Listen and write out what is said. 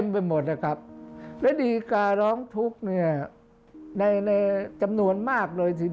พวกเขาก็มีข้อมูล